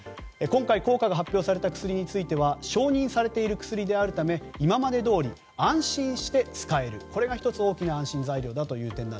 効果が発表された薬については承認されている薬であるため今までどおり安心して使えるこれが大きな安心材料だと。